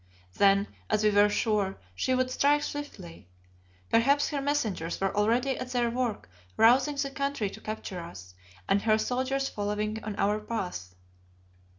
Then, as we were sure, she would strike swiftly. Perhaps her messengers were already at their work rousing the country to capture us, and her soldiers following on our path.